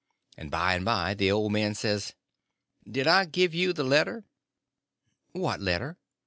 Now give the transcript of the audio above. And by and by the old man says: "Did I give you the letter?" "What letter?"